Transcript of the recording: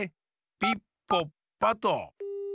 ピッポッパッと。